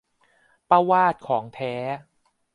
ป้าวาสของแท้